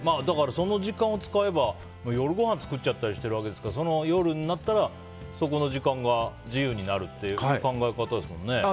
その時間を使えば夜ごはん作っちゃったりしてるわけですから夜になったら、そこの時間が自由になるっていう考え方ですもんね。